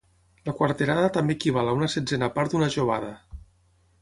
La quarterada també equival a una setzena part d'una jovada.